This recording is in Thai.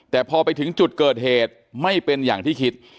แต่พอไปถึงจุดเกิดเหตุไม่เป็นอย่างที่คิด